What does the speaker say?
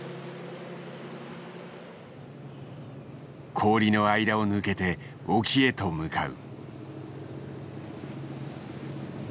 氷の間を抜けて沖へと向かう。